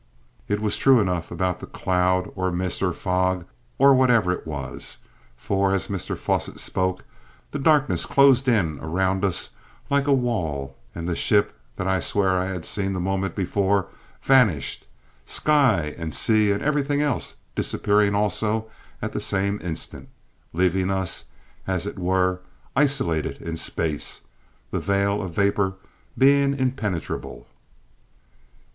It was true enough about the cloud, or mist, or fog, or whatever it was; for, as Mr Fosset spoke, the darkness closed in around us like a wall and the ship that I swear I had seen the moment before vanished, sky and sea and everything else disappearing also at the same instant, leaving us, as it were, isolated in space, the veil of vapour being impenetrable!